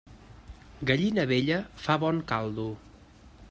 Gallina vella fa bon caldo.